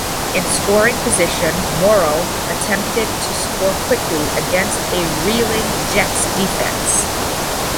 In scoring position, Morrall attempted to score quickly against a reeling Jets defense.